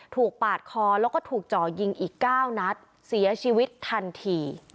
ปาดคอแล้วก็ถูกจ่อยิงอีก๙นัดเสียชีวิตทันที